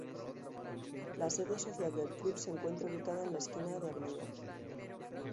La sede social del club se encuentra ubicada en la esquina de Av.